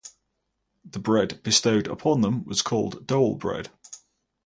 The bread bestowed upon them was called dole-bread.